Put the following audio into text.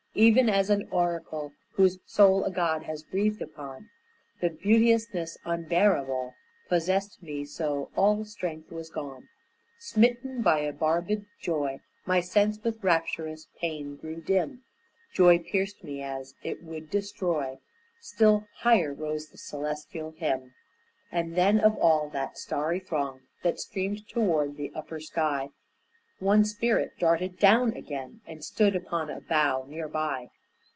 Even as an oracle Whose soul a god has breathed upon, The beauteousness unbearable Possessed me so all strength was gone. Smitten by a barbéd joy, My sense with rapturous pain grew dim, Joy pierced me as it would destroy. Still higher rose the celestial hymn. And then of all that starry throng That streamed toward the upper sky, One spirit darted down again, And stood upon a bough near by.